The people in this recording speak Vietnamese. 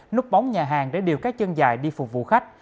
núp bóng nhà hàng để điều các chân dài đi phục vụ khách